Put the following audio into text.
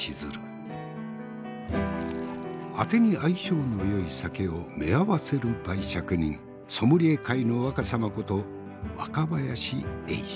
あてに相性のよい酒をめあわせる媒酌人ソムリエ界の若さまこと若林英司。